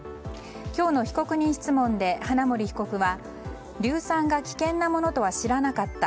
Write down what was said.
今日の被告人質問で花森被告は硫酸が危険なものとは知らなかった。